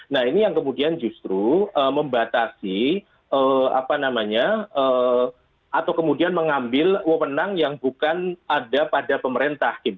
nah ini yang kemudian justru membatasi atau kemudian mengambil wawenang yang bukan ada pada pemerintah